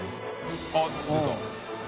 あっ出た。